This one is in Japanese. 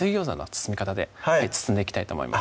包み方で包んでいきたいと思います